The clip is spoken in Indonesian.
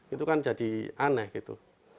itu kan jadi aneh gitu